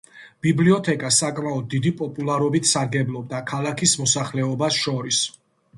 ბიბლიოთეკა საკმაოდ დიდი პოპულარობით სარგებლობდა ქალაქის მოსახლეობას შორის.